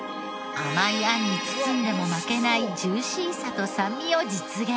甘いあんに包んでも負けないジューシーさと酸味を実現。